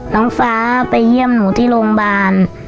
น้องฟ้าไปเยี่ยมหนูที่โรงพยาบาล